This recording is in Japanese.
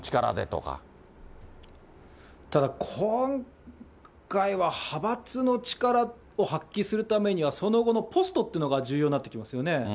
ただ、今回は派閥の力を発揮するためには、その後のポストっていうのが重要になってきますよね。